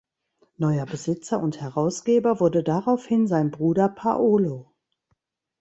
Neuer Besitzer und Herausgeber wurde daraufhin sein Bruder Paolo.